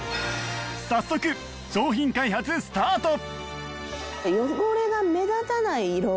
早速商品開発スタート！